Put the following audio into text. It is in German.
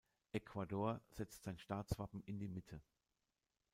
Ecuador setzt sein Staatswappen in die Mitte.